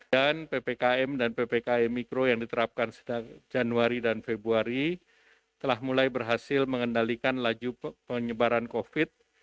dan ppkm dan ppkm mikro yang diterapkan sedang januari dan februari telah mulai berhasil mengendalikan laju penyebaran covid sembilan belas